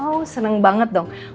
wow seneng banget dong